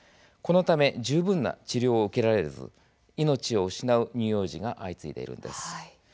このため十分な治療を受けられず命を失う乳幼児が相次いでいます。